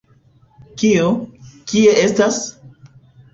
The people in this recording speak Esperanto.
Kio, kie estas?